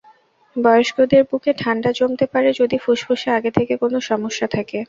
বয়স্কদের বুকে ঠান্ডা জমতে পারে যদি ফুসফুসে আগে থেকে কোনো সমস্যা থাকে।